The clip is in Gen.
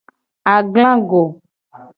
Aglago.